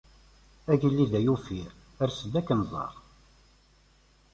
Agellid ay uffir ers-d ad ak-nẓer.